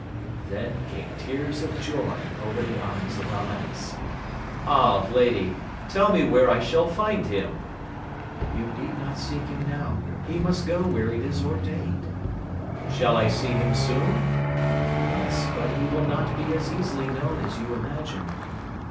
Then came tears of joy over the eyes of Amadis, — ^Ah, lady, tell me where I shall find him !— ^You need not seek him now, he must go where it is ordained. — Shall I see him soon % Yes ; but he will not be as easily known as you ima gine.